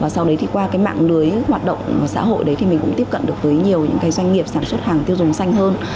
sau đấy qua mạng lưới hoạt động xã hội mình cũng tiếp cận được với nhiều doanh nghiệp sản xuất hàng tiêu dùng xanh hơn